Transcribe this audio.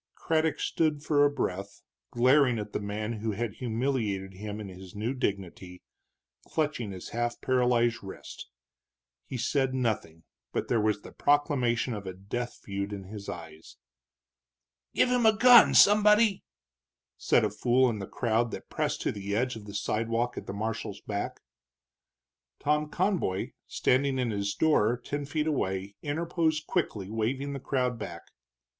Craddock stood for a breath glaring at the man who had humiliated him in his new dignity, clutching his half paralyzed wrist. He said nothing, but there was the proclamation of a death feud in his eyes. "Give him a gun, somebody!" said a fool in the crowd that pressed to the edge of the sidewalk at the marshal's back. Tom Conboy, standing in his door ten feet away, interposed quickly, waving the crowd back.